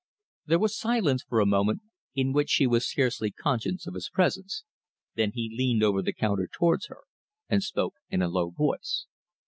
There was silence for a moment, in which she was scarcely conscious of his presence; then he leaned over the counter towards her, and spoke in a low voice.